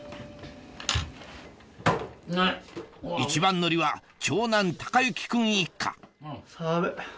一番乗りは長男・孝之君一家寒っ。